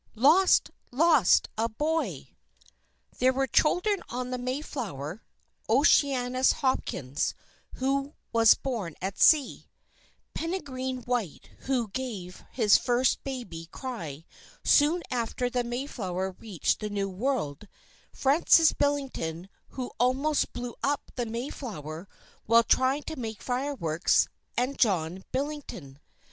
LOST! LOST! A BOY! There were children on the Mayflower Oceanus Hopkins who was born at sea, Peregrine White who gave his first baby cry soon after the Mayflower reached the New World, Francis Billington who almost blew up the Mayflower, while trying to make fireworks, and John Billington.